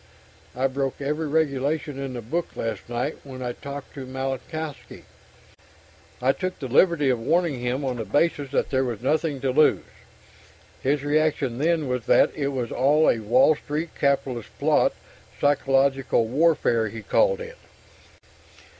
I broke every regulation in the book last night when I talked to Malinowski. I took the liberty of warning him, on the basis that there was nothing to lose. His reaction then was that it was all a Wall Street capitalist plot 'psychological warfare,' he called it.